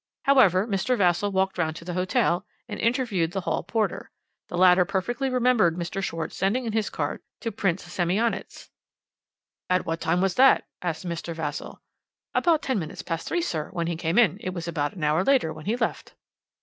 "However, Mr. Vassall walked round to the hotel and interviewed the hall porter. The latter perfectly well remembered Mr. Schwarz sending in his card to Prince Semionicz. "'At what time was that?' asked Mr. Vassall. "'About ten minutes past three, sir, when he came; it was about an hour later when he left.'